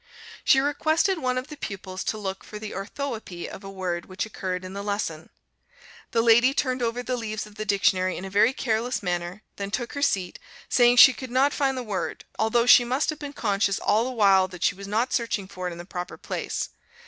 She requested one of the pupils to look for the orthoëpy of a word which occurred in the lesson. The lady turned over the leaves of the dictionary in a very careless manner, then took her seat, saying she could not find the word, although she must have been conscious all the while that she was not searching for it in the proper place.